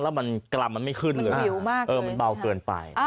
แล้วมันกรำมันไม่ขึ้นเลยฮะมันเบาเกินไป